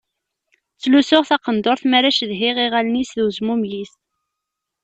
Ttlusuɣ taqendurt mi ara cedhiɣ iɣallen-is d uzmumeg-is.